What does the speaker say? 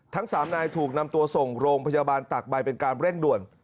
ทั้ง๓นายถูกนำตัวส่งโรงพยาบาลตากใบเป็นการเร่งด่วน